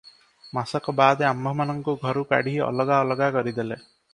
ମାସକ ବାଦେ ଆମ୍ଭମାନଙ୍କୁ ଘରୁ କାଢି ଅଲଗା ଅଲଗା କରିଦେଲେ ।